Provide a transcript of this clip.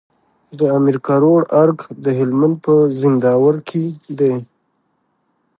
د امير کروړ ارګ د هلمند په زينداور کي دی